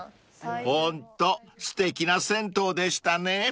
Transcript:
［ホントすてきな銭湯でしたね］